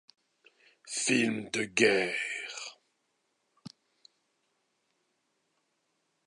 Film de guerre.